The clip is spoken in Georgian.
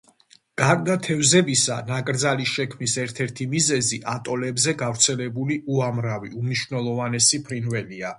გარდა თევზებისა, ნაკრძალის შექმნის ერთ-ერთი მიზეზი ატოლებზე გავრცელებული უამრავი უმნიშვნელოვანესი ფრინველია.